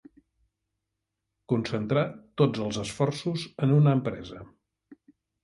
Concentrar tots els esforços en una empresa.